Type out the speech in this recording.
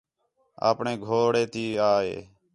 اپݨے گھوڑے تی آ ہے